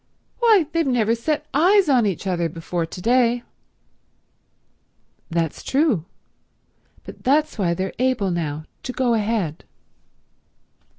Why they've never set eyes on each other before to day." "That's true. But that's why they're able now to go ahead."